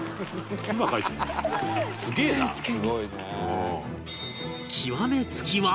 すごいね。